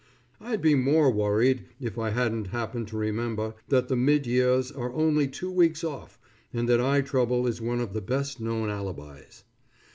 I'd be more worried, if I hadn't happened to remember that the mid years are only two weeks off, and that eye trouble is one of the best known alibis.